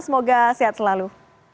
semoga sehat selalu